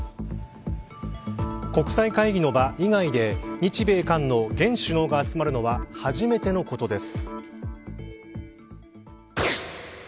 国際会議の場以外で日米韓の現首脳が集まるのは初めてのことです。